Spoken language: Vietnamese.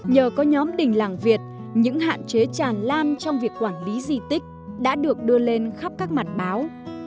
nhờ có nhóm đình làng việt những hạn chế tràn lan trong việc quản lý di tích đã được đưa lên khắp các mặt báo